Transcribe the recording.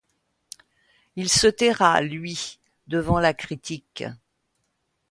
Il se taira, lui, devant la critique.